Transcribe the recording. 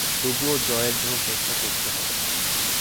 তবুও জয়ের জন্য চেষ্টা করতে হবে।